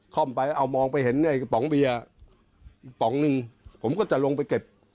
่อมไปเอามองไปเห็นไอ้กระป๋องเบียร์กระป๋องหนึ่งผมก็จะลงไปเก็บ